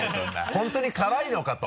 本当に辛いのかと。